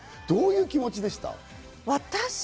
どういう気持ちでしたか？